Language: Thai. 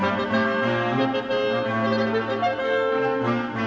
สวัสดีครับสวัสดีครับ